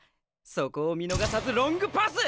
そこを見逃さずロングパス！